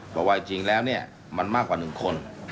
เพราะว่าจริงแล้วเนี่ยมันมากกว่า๑คน